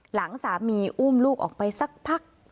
หลังสามีอุ้มลูกออกไปสักพัก